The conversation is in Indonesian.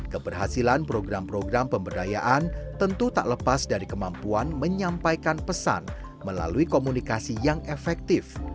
keberhasilan program program pemberdayaan tentu tak lepas dari kemampuan menyampaikan pesan melalui komunikasi yang efektif